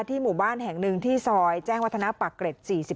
หมู่บ้านแห่งหนึ่งที่ซอยแจ้งวัฒนาปากเกร็ด๔๔